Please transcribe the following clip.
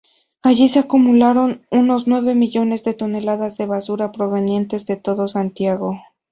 Allí se acumularon unos nueve millones de toneladas de basura provenientes de todo Santiago.